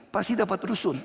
pasti dapat usun